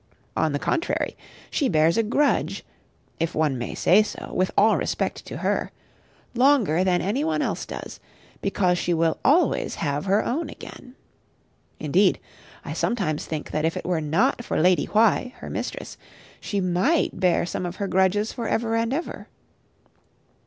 On the contrary, she bears a grudge (if one may so say, with all respect to her) longer than any one else does; because she will always have her own again. Indeed, I sometimes think that if it were not for Lady Why, her mistress, she might bear some of her grudges for ever and ever.